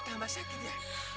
kok tambah sakit ya